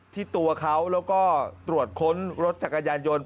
ที่ตัวเขาแล้วก็ตรวจค้นรถจักรยานยนต์